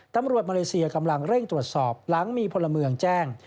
ตำรวจมาเลเซียกำลังเร่งตรวจสอบหลังมีพลเมืองแจ้ง